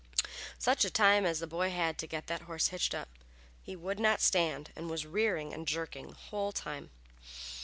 Such a time as the boy had to get that horse hitched up. He would not stand, and was rearing and jerking the whole time.